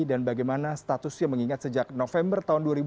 dan bagaimana statusnya mengingat sejak november dua ribu dua puluh